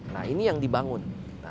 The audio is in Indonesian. nah ini yang dibangun